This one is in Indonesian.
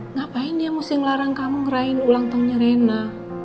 ngapain dia mesti ngelarang kamu ngerahin ulang tahunnya rena